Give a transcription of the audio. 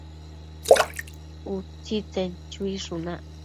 Utsitsen chuishunac